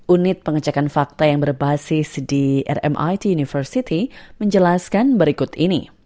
unit pengecekan fakta yang berbasis di rmit university menjelaskan berikut ini